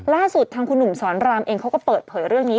ล่าสุดทางคุณหนุ่มสอนรามเองเขาก็เปิดเผยเรื่องนี้